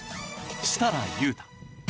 設楽悠太。